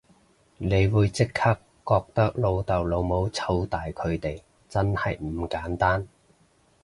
你會即刻覺得老豆老母湊大佢哋真係唔簡單